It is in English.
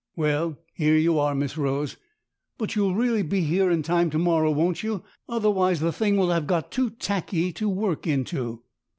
"Well, here you are, Miss Rose. But you'll really be here in time to morrow, won't you? Otherwise the thing will have got too tacky to work into."